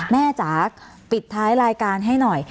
จ๋าปิดท้ายรายการให้หน่อย